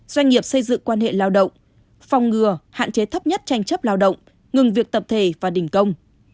doanh nghiệp xây dựng quan hệ lao động phòng ngừa hạn chế thấp nhất tranh chấp lao động ngừng việc tập thể và đình công